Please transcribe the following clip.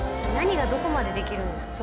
何がどこまでできるのか。